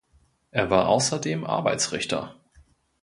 Er war außerdem Arbeitsrichter.